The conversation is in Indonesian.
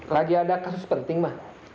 lagi ada kasus penting mah